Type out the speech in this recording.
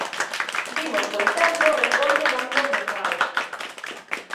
Vimos, por exemplo, reencontros de amigos nos bares.